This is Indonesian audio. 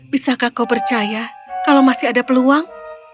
bisakah kau percaya kalau masih ada peluang